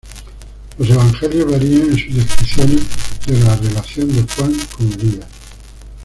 Los evangelios varían en sus descripciones de la relación de Juan con Elías.